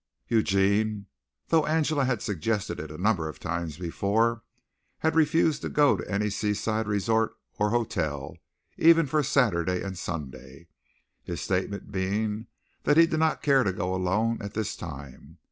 Eugene, though Angela had suggested it a number of times before, had refused to go to any seaside resort or hotel, even for Saturday and Sunday, his statement being that he did not care to go alone at this time.